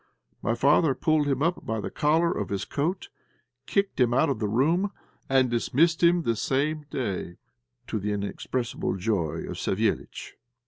My father pulled him up by the collar of his coat, kicked him out of the room, and dismissed him the same day, to the inexpressible joy of Savéliitch.